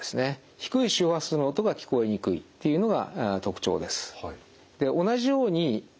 低い周波数の音が聞こえにくいっていうのが特徴です。